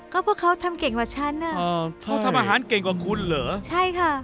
ก็พวกเขาทำเก่งกว่าฉันอ่ะเออเขาทำอาหารเก่งกว่าคุณเหรอใช่ค่ะ